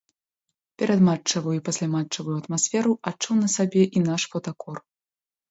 Перадматчавую і пасляматчавую атмасферу адчуў на сабе і наш фотакор.